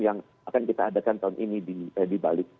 yang akan kita adakan tahun ini di bali